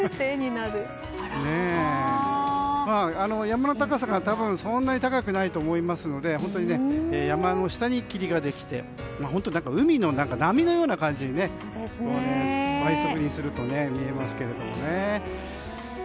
山の高さがそんなに高くないと思いますので山の下に霧ができて本当に海の波のような感じに倍速にすると見えますけど。